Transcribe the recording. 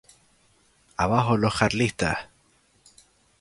Abajo los carlistas!"".